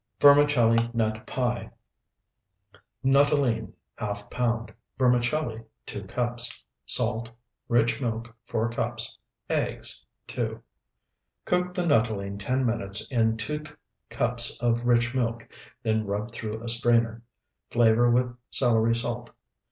VERMICELLI NUT PIE Nuttolene, ½ pound. Vermicelli, 2 cups. Salt. Rich milk, 4 cups. Eggs, 2. Cook the nuttolene ten minutes in two cups of rich milk, then rub through a strainer. Flavor with celery salt.